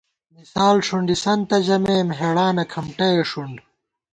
مثال ݭُنڈِسَنتہ ژَمېم ہېڑانہ کھمٹَئے ݭُنڈ